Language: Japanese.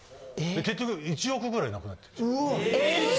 結局、１億ぐらいなくなった。